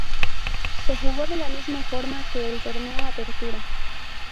Se jugó de la misma forma que el Torneo Apertura.